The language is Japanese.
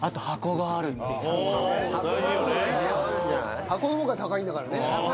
箱の方が高いんだからね。